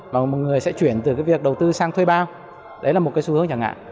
mà mọi người sẽ chuyển từ việc đầu tư sang thuê bao đấy là một xu hướng chẳng hạn